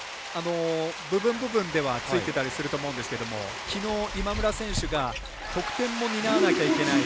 部分部分ではついていたりすると思うんですがきのう、今村選手が得点も担わなきゃいけない。